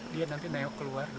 dia nanti naik keluar